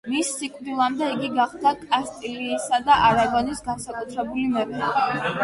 მის სიკვდილამდე, იგი გახდა კასტილიისა და არაგონის განსაკუთრებული მეფე.